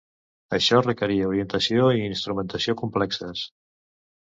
Això requeria orientació i instrumentació complexes.